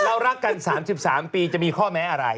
เรารักกัน๓๓ปีจะมีข้อแม้อะไร